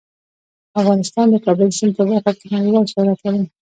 افغانستان د د کابل سیند په برخه کې نړیوال شهرت لري.